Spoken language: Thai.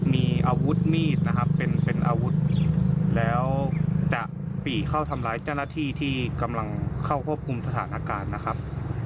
มีอาวุธมีดนะครับเป็นอาวุธแล้วจะปี่เข้าทำร้ายเจ้าหน้าที่ที่กำลังเข้าควบคุมสถานการณ์นะครับ